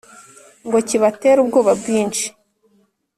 ngo kibatere ubwoba bwinshi